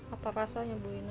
apa rasanya ibu rina